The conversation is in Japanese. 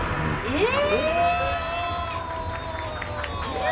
えっ！？